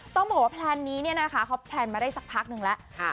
ต้องบอกว่าแพลนนี้เนี่ยนะคะเขาแพลนมาได้สักพักนึงแล้ว